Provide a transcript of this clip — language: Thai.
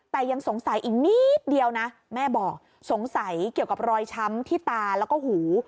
แต่ยังสงสัยอีกนิดเดียวนะแม่บอกสงสัยเกี่ยวกับรอยช้ำที่ตาแล้วก็หู